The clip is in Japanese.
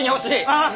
ああ！